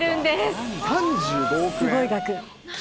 すごい額。